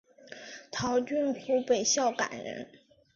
陶峻湖北孝感人。